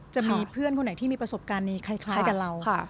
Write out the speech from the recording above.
จะมีเพื่อนคนไหนที่มีประสบการณ์นี้คล้ายกับเรา